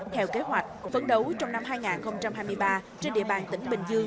theo kế hoạch phấn đấu trong năm hai nghìn hai mươi ba trên địa bàn tỉnh bình dương